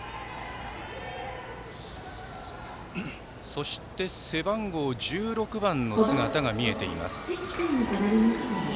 そして、背番号１６番の姿が見えています。